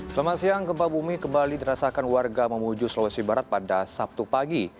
selamat siang gempa bumi kembali dirasakan warga memuju sulawesi barat pada sabtu pagi